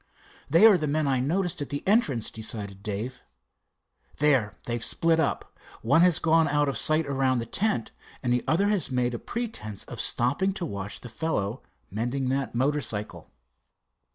"They are the men I noticed at the entrance," decided Dave. "There, they've split up. One has gone out of sight around the tent, and the other has made a pretence of stopping to watch the fellow mending that motorcycle."